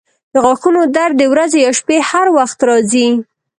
د غاښونو درد د ورځې یا شپې هر وخت راځي.